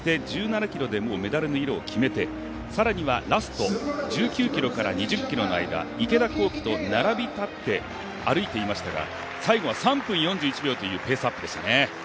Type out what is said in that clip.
１７ｋｍでメダルの色を決めてさらにはラスト１９ｋｍから２０ｋｍの間池田向希と並び立って歩いていましたが最後は３分４１秒というペースアップでしたね。